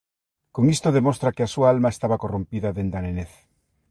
Con isto demostra que a súa alma estaba corrompida dende a nenez.